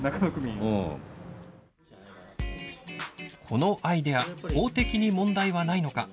このアイデア、法的に問題はないのか。